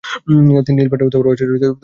তিনি ইলফ্রেড ও ওস্ট্রোডায় শিক্ষকতা করেন।